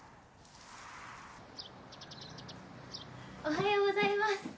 おはようございます。